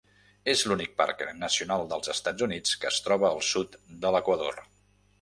És l'únic parc nacional dels Estats Units que es troba al sud de l'equador.